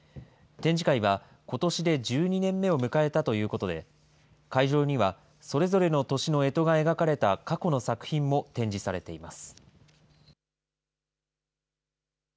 展示会はことしで１２年目を迎えたということで、会場にはそれぞれの年のえとが描かれた過去の作品も展示されています。